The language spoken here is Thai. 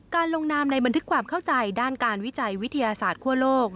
ลงนามในบันทึกความเข้าใจด้านการวิจัยวิทยาศาสตร์คั่วโลก